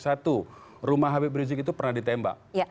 satu rumah habib rizik itu pernah ditembak